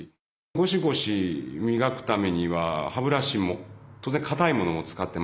ゴシゴシ磨くためには歯ブラシも当然かたいものを使ってましたし。